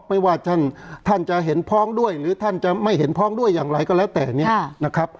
ไม่ว่าท่านจะเห็นพ้องด้วยหรือท่านจะไม่เห็นพ้องด้วยอย่างไรก็แล้วแต่เนี่ยนะครับ